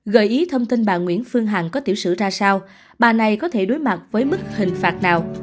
gợi ý thông tin bà nguyễn phương hằng có tiểu sử ra sao bà này có thể đối mặt với mức hình phạt nào